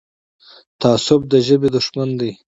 تعصب د ژبې دښمن دی.